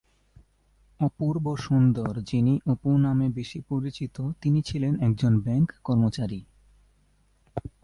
অপূর্ব সুন্দর, যিনি অপু নামে বেশি পরিচিত, তিনি ছিলেন একজন ব্যাঙ্ক কর্মচারী।